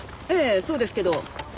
ええそうですけど。